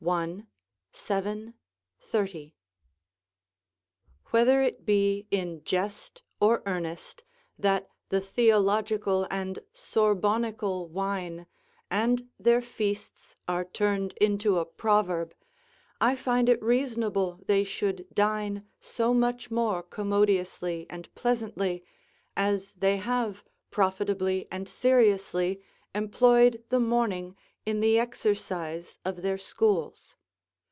i. 7, 30.] Whether it be in jest or earnest, that the theological and Sorbonnical wine, and their feasts, are turned into a proverb, I find it reasonable they should dine so much more commodiously and pleasantly, as they have profitably and seriously employed the morning in the exercise of their schools.